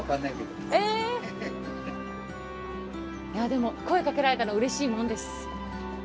でも声かけられたらうれしいものです。